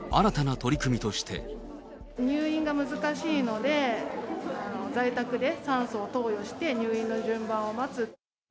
入院が難しいので、在宅で酸素を投与して入院の順番を待つ。